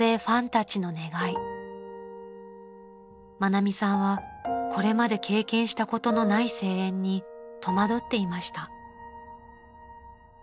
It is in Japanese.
［愛美さんはこれまで経験したことのない声援に戸惑っていました］